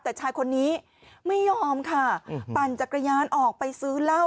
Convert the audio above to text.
แต่ชายคนนี้ไม่ยอมค่ะปั่นจักรยานออกไปซื้อเหล้า